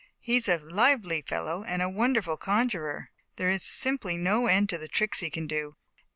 "He's a lively fellow and a wonder ful conjuror. There is simply no end to the tricks he can do."